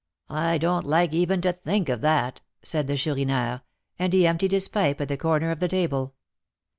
I don't like even to think of that," said the Chourineur, and he emptied his pipe at the corner of the table.